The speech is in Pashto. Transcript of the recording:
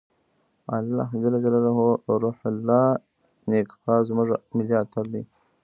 روح الله نیکپا زموږ ملي اتل دی.